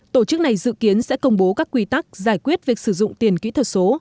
tổ chức này dự kiến sẽ công bố các quy tắc giải quyết việc sử dụng tiền kỹ thuật số